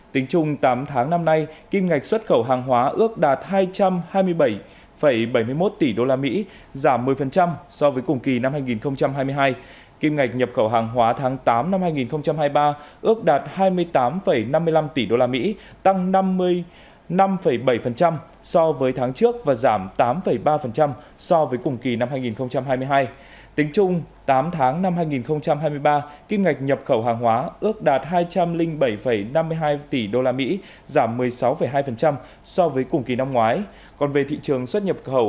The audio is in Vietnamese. tổng kim ngạch xuất nhập khẩu hàng hóa ước đạt ba mươi hai ba mươi bảy tỷ usd tăng bảy bảy so với tháng trước và giảm bảy sáu so với cùng kỳ năm trước